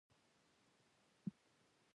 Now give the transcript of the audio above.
او په دې چارې د خبرې کوونکي خبرې لنډی ز کوو.